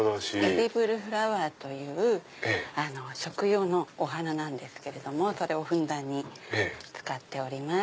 エディブルフラワーという食用のお花なんですけどもそれをふんだんに使っております。